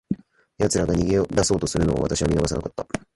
奴らが逃げ出そうとするのを、私は見逃さなかった。